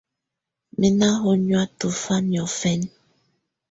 Mɛ̀ nà hɔnyɔ̀á tɔ̀fa nyɔ̀fɛna.